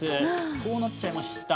こうなっちゃいました。